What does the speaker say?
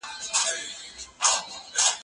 مهاجرت نوې تجربې ورکوي.